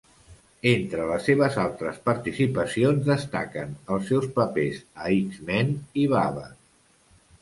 Entre les seves altres participacions, destaquen els seus papers a "X-Men" i "Babar".